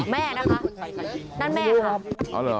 แม่นะคะนั่นแม่ค่ะ